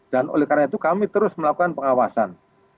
dan oleh karena itu kami terus melakukan pengawasan